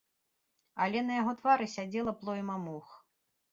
Але на яго твары сядзела плойма мух.